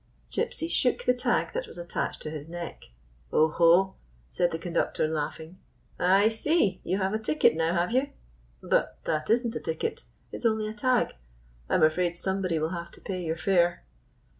Gypsy shook the tag that was attached to his neck. "Oho," said the conductor, laughing, "I see! You have a ticket now, have you? But that is n't a ticket; it is only a tag. I 'm afraid somebody will have to pay your fare."